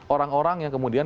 orang orang yang kemudian